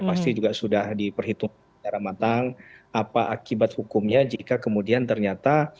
pasti juga sudah diperhitung secara matang apa akibat hukumnya jika kemudian ternyata